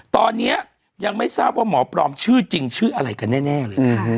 ตอนนี้ยังไม่ทราบว่าหมอปลอมชื่อจริงชื่ออะไรกันแน่เลย